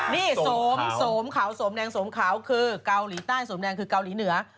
นี่โสมขาวสมแดงโสมขาวคือเกาหลีใต้สมแดงคือเกาหลีเหนือ